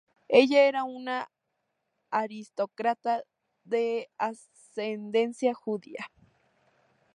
Ella era una aristócrata de ascendencia judía.